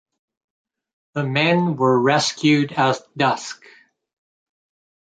The men were rescued at dusk.